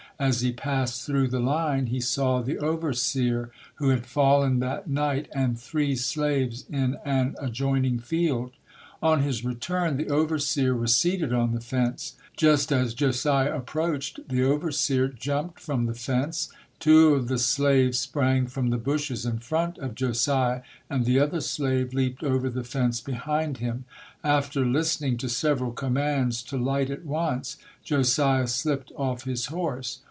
As he passed through the line, he saw the overseer who had fallen that night and three slaves in an adjoining field. On his return, the overseer was seated on the fence. Just as Josiah approached, the overseer jumped JOSIAH HENSON [ 195 from the fence. Two of the slaves sprang from the bushes in front of Josiah and the other slave leaped over the fence behind him. After listening to several commands to light at once, Josiah slipped off his horse.